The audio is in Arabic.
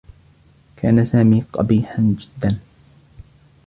كان سامي قبيحا جدّا.